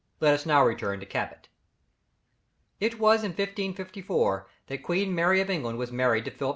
Let us now return to Cabot. It was in 1554 that Queen Mary of England was married to Philip II.